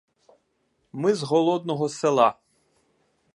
Ми з голодного села.